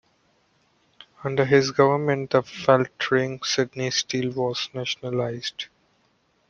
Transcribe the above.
Under his government the faltering Sydney Steel was nationalised.